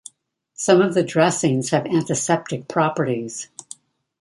Some of the dressings have antiseptic properties.